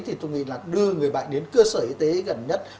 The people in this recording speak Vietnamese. thì tôi nghĩ là đưa người bệnh đến cơ sở y tế gần nhất